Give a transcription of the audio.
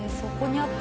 あった。